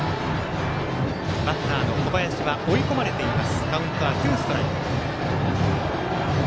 バッターの小林は追い込まれています。